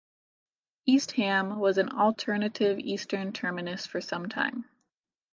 East Ham was an alternative eastern terminus for some time.